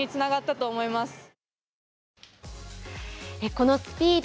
このスピード